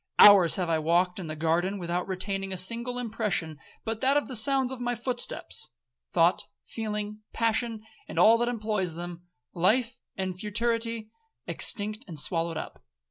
Hours have I walked in the garden, without retaining a single impression but that of the sounds of my footsteps;—thought, feeling, passion, and all that employs them,—life and futurity, extinct and swallowed up.